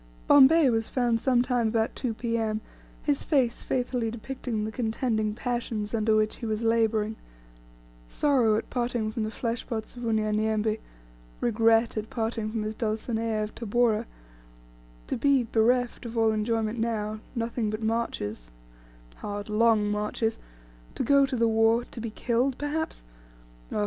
Bombay was found some time about 2 P.M., his face faithfully depicting the contending passions under which he was labouring sorrow at parting from the fleshpots of Unyanyembe regret at parting from his Dulcinea of Tabora to be, bereft of all enjoyment now, nothing but marches hard, long marches to go to the war to be killed, perhaps, Oh!